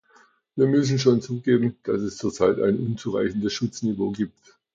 Wir müssen schon zugeben, dass es zurzeit ein unzureichendes Schutzniveau gibt.